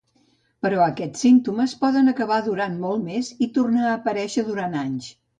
Però, aquests símptomes poden acabar durant molt més i tornar a aparèixer durant anys.